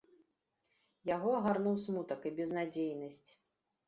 Яго агарнуў смутак і безнадзейнасць.